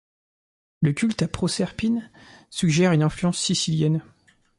Le culte à Proserpine suggère une influence sicilienne.